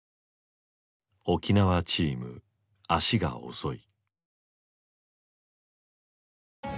「沖縄チーム足が遅い」。